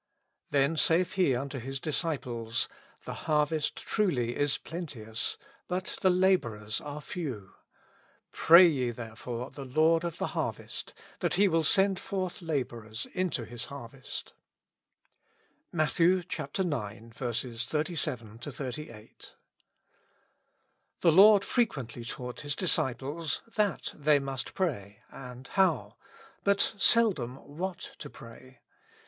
Then saith He unto His disciples^ The harvest truly is plenteous^ but the laborers are few. Pray ye therefore the Lord of the harvest, that He will send forth laborers into into His harvest. — Matt. ix. 37 38. THE Lord frequently taught His disciples that they must pray, and how ; but seldom what to pray.